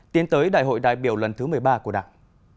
tiến tới đại hội đại biểu lần thứ một mươi ba của đảng